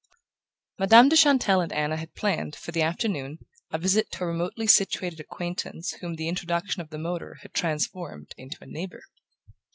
XV Madame de Chantelle and Anna had planned, for the afternoon, a visit to a remotely situated acquaintance whom the introduction of the motor had transformed into a neighbour.